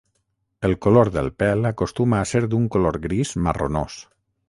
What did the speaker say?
El color del pèl acostuma a ser d'un color gris marronós.